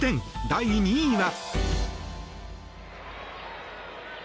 第２位は。